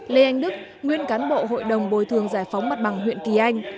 lê anh đức nguyên cán bộ hội đồng bồi thường giải phóng mặt bằng huyện kỳ anh